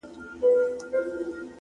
• ويل يې غواړم ځوانيمرگ سي،